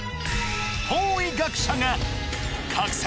法医学者が！